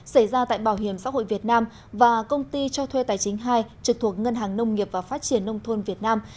xảy ra tại bảo hiểm xã hội việt nam và công ty cho thuê tài chính hai trực thuộc ngân hàng nông nghiệp và phát triển nông thôn việt nam